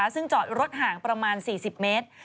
ซึ่งจอดรถห่างประมาณ๔๐เมตร